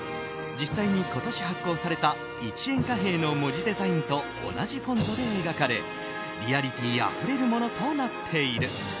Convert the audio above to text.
実際に今年発行された一円貨幣の文字デザインと同じフォントで描かれリアリティーあふれるものとなっている。